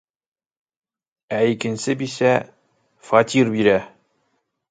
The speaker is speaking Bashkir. Ә икенсе бисә... фатир бирә!